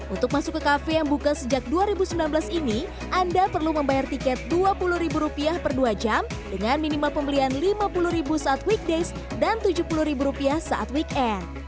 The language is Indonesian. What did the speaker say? untuk masuk ke kafe yang buka sejak dua ribu sembilan belas ini anda perlu membayar tiket dua puluh ribu rupiah per dua jam dengan minimal pembelian lima puluh ribu saat weekdays dan tujuh puluh ribu rupiah saat weekend